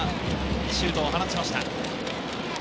シュートを放ちました。